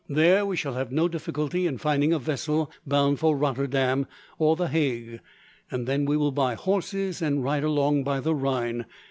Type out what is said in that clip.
There we shall have no difficulty in finding a vessel bound for Rotterdam, or the Hague. Then we will buy horses, and ride along by the Rhine.